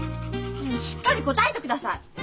しっかり答えてください！